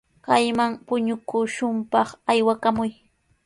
Kayman puñukushunpaq aywakamuy.